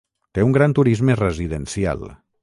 Té un gran turisme residencial.